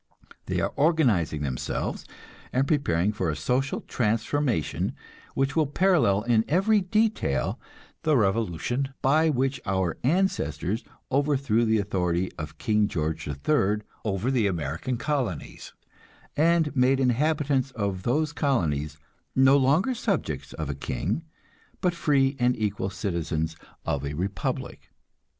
They are organizing themselves, and preparing for a social transformation which will parallel in every detail the revolution by which our ancestors overthrew the authority of King George III over the American colonies, and made inhabitants of those colonies no longer subjects of a king, but free and equal citizens of a republic.